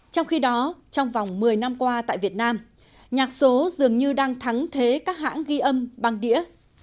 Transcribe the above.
trong khi đó trong vòng một mươi năm qua tại việt nam nhạc số dường như đang thắng thế các hãng ghi âm bằng đĩa